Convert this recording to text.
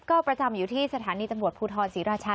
ก็ประจำอยู่ที่สถานีตำรวจภูทรศรีราชา